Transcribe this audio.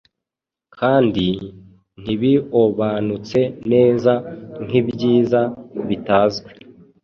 Kandi, ntibiobanute neza, nkibyiza bitazwi